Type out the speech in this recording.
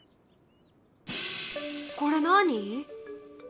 これ何？